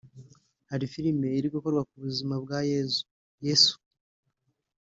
Hari filimi iri gukorwa ku buzima bwa Yezu (Yesu)